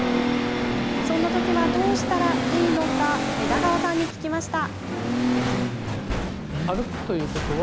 そんなときはどうしたらいいのか枝川さんに聞きました。